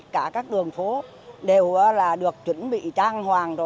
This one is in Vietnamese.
cả các đường phố đều là được chuẩn bị trang hoàng